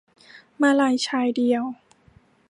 มาลัยชายเดียว